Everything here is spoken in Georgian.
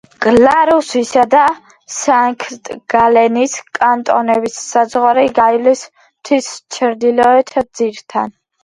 გლარუსისა და სანქტ-გალენის კანტონების საზღვარი გაივლის მთის ჩრდილოეთ ძირთან.